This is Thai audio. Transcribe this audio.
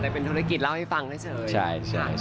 เป็นธุรกิจเล่าให้ฟังเฉย